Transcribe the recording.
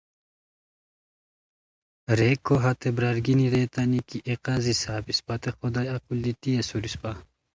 ریکو ہتے برار گینی ریتانی کی اے قاضی صاحب اسپتے خدائے عقل دیتی اسور اسپہ